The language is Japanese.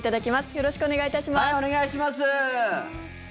よろしくお願いします。